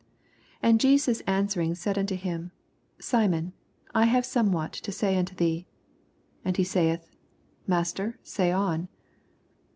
40 And Jesas answering said nnto him, Simon, I have somewhat to say unto thee. And he saith, Master, say on.